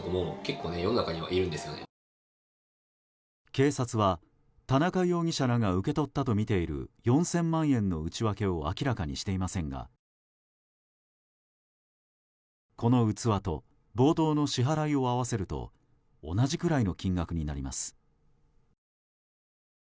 警察は田中容疑者らが受け取ったとみている４０００万円の内訳を明らかにしていませんがこの器と冒頭の支払いを合わせると同じくらいの金額になります。